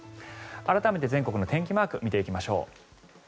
改めて全国の天気マーク見ていきましょう。